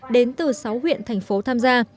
đến từ sáu huyện thành phố tham gia